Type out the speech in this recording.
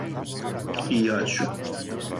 И ја ћу.